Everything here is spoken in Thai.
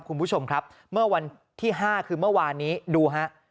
คุณผู้ชมครับเมื่อวันที่๕คือเมื่อวานนี้ดูฮะ